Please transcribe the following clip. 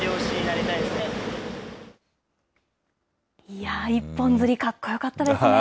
いやー、一本釣りかっこよかったですね。